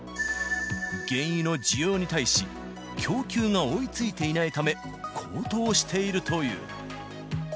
原油の需要に対し、供給が追いついていないため、高騰しているという。